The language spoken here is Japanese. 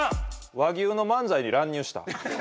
和牛の漫才に乱入した。